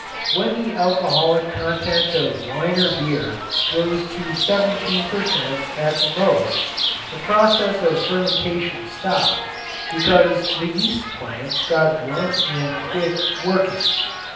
When the alcoholic content of wine or beer rose to seventeen per cent. at the most the process of fermentation stopped because the yeast plants got drunk and quit "working."